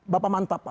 bapak mantap pak